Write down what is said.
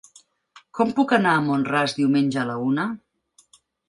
Com puc anar a Mont-ras diumenge a la una?